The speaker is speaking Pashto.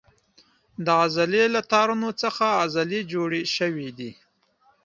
د عضلې له تارونو څخه عضلې جوړې شوې دي.